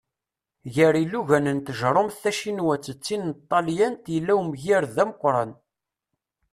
Gar ilugan n tjerrumt tacinwat d tin n tṭalyant yella umgirred ameqqran.